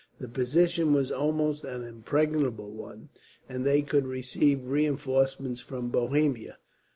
The position was almost an impregnable one, and they could receive reinforcements from Bohemia.